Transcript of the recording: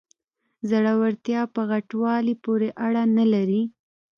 زړورتیا په غټوالي پورې اړه نلري.